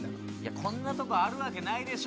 こんなとこあるわけないでしょ。